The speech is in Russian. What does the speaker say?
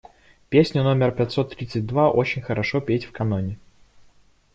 Песню номер пятьсот тридцать два очень хорошо петь в каноне.